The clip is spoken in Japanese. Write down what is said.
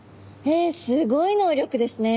へえすごい能力ですね。